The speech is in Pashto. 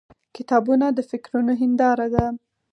• کتابونه د فکرونو هنداره ده.